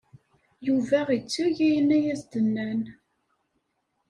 Yuba itteg ayen ay as-d-nnan.